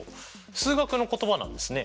数学の言葉なんですね？